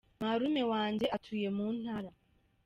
Marume wanjye atuye mu ntara.